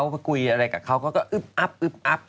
กลุ่มไปพูดอะไรกับเขาก็อึ๊บอับ